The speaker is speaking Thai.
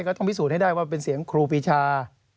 ก็ต้องพิสูจน์ให้ได้ว่าเป็นเสียงครูปีชา